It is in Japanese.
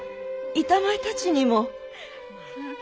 板前たちにも。